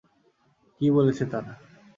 কী বলছে তারা?